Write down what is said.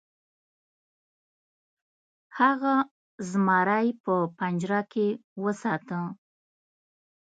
هغه زمری په پنجره کې وساته.